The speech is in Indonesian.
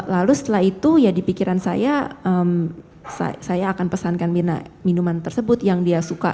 lalu setelah itu ya di pikiran saya saya akan pesankan mirna minuman tersebut yang dia suka